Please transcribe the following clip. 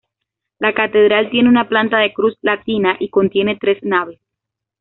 La catedral tiene una planta de cruz latina y contiene tres naves.